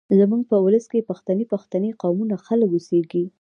زموږ په ولس کې پښتۍ پښتۍ قومونه خلک اوسېږيږ